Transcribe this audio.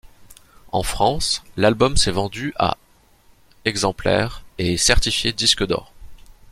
En France, l'album s'est vendu à exemplaires et est certifié disque d'or.